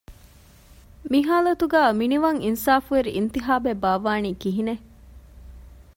މި ހާލަތުގައި މިނިވަން އިންސާފުވެރި އިންތިހާބެއް ބާއްވާނީ ކިހިނެއް؟